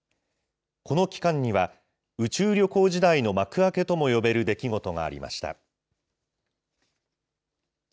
この期間には、宇宙旅行時代の幕開けとも呼べる出来事がありました。